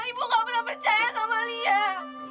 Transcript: ibu gak pernah percaya sama lia